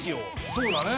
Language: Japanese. そうだね。